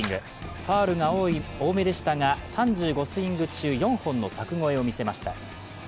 ファウルが多めでしたが３５スイング中、４本の柵越えを見せました。